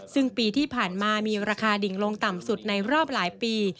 ซึ่งปีที่ผ่านมามีราคาดิ่งลงต่ำสุดในรอบหลายปี